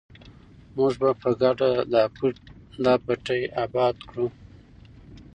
موږ به په ګډه دا پټی اباد وساتو.